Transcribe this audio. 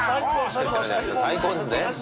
最高ですよ。